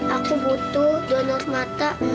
aku butuh donor mata